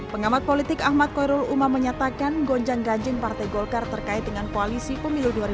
pengamat politik ahmad koyrol uma menyatakan gonjang ganjing partai golkar terkait dengan koalisi pemilih dua ribu dua puluh empat